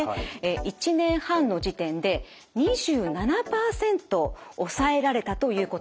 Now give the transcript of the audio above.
１年半の時点で２７％抑えられたということなんです。